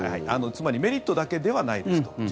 つまりメリットだけではないですと。